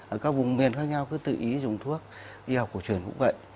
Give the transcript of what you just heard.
ở các vùng miền khác nhau cứ tự ý dùng thuốc y học cổ truyền cũng vậy